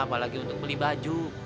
apalagi untuk beli baju